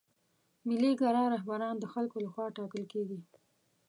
ملي ګرا رهبران د خلکو له خوا ټاکل کیږي.